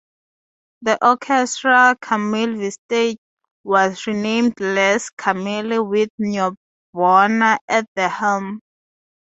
The Orchestre Kamale vestige was renamed Les Kamale with Nybona at the helm.